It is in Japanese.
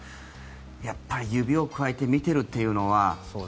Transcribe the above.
やっぱり指をくわえて見ているというのは。